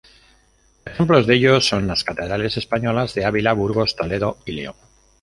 Ejemplos de ello son las catedrales españolas de Ávila, Burgos, Toledo y León.